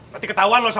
nanti ketahuan sama saya